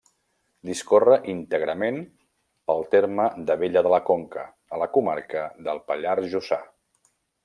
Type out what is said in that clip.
Discorre íntegrament pel terme d'Abella de la Conca, a la comarca del Pallars Jussà.